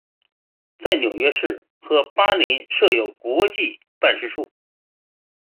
在纽约市和巴林设有国际办事处。